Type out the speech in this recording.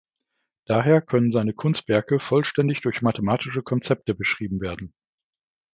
Daher können seine Kunstwerke vollständig durch mathematische Konzepte beschrieben werden.